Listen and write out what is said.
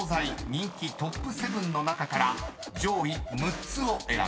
人気トップ７の中から上位６つを選べ］